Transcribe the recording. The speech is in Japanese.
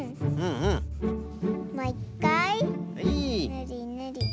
ぬりぬり。